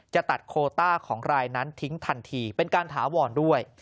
จะตัดโคต้าของรายนั้นทิ้งทันทีเป็นการถาวรด้วย